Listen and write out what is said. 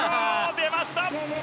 出ました！